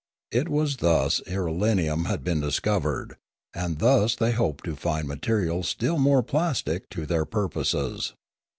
It was thus irelium had been discovered, and thus they hoped to find ma terials still more plastic to their purposes.